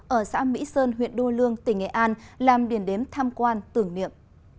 ở xã mỹ sơn huyện đô lương tỉnh nghệ an làm điền đến tham quan tưởng niệm